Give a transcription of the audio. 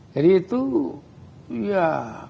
jadi itu ya